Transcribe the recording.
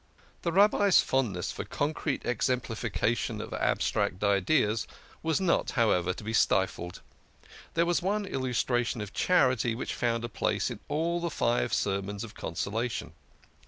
The Rabbi's fondness for concrete exemplification of ab "' I COULD HAVE TORN MY HAIR.' " stract ideas was not, however, to be stifled, and there was one illustration of Charity which found a place in all the five sermons of consolation.